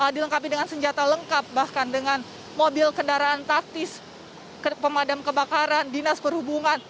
dilengkapi dengan senjata lengkap bahkan dengan mobil kendaraan taktis pemadam kebakaran dinas perhubungan